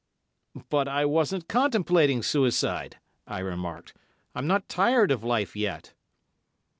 "But I wasn't contemplating suicide," I remarked. "I'm not tired of life yet."